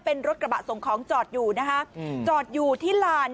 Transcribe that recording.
เป็นรถกระบะส่งของจอดอยู่นะคะจอดอยู่ที่ลาน